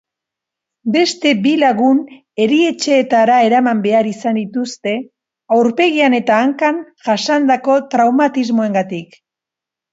Beste bi lagun erietxeetara eraman behar izan dituzte aurpegian eta hankan jasandako traumatismoengatik.